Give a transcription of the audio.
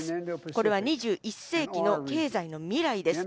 これは２１世紀の経済の未来です。